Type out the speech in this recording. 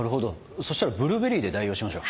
そしたらブルーベリーで代用しましょう。